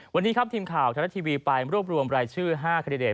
วันนี้ครับทีมข่าวแทนละทีวีปรับรวมลายชื่อ๕คัตเตอร์เดท